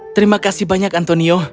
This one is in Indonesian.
terima kasih banyak antonio